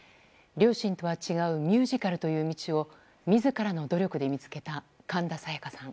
両親とは違うミュージカルという道を自らの努力で見つけた神田沙也加さん。